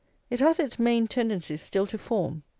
It has its main tendencies still to form.